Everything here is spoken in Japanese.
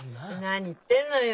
何言ってるのよ。